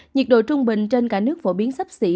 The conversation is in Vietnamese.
nhiệt độ trung bình trên cả nước phổ biến sấp xỉ